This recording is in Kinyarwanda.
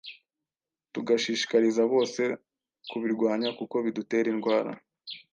tugashishikariza bose kubirwanya kuko bidutera Indwara.